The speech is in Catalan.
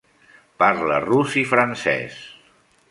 Parla rus i francès.